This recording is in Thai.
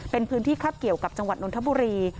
เป็นพื้นที่คาบเกี่ยวกับจังหวัดนทบุรี